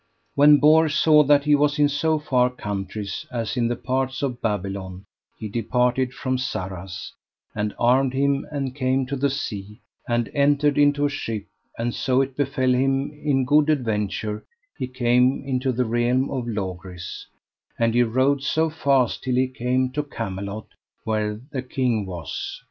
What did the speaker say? When Bors saw that he was in so far countries as in the parts of Babylon he departed from Sarras, and armed him and came to the sea, and entered into a ship; and so it befell him in good adventure he came into the realm of Logris; and he rode so fast till he came to Camelot where the king was.